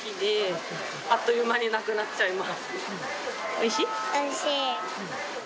おいしい？